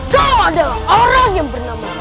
kau adalah orang yang bernama